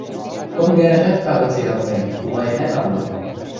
кым гӓнӓжӓт тагыце ытлен, тумаенӓт ам лык.